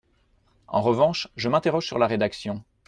En revanche, je m’interroge sur la rédaction.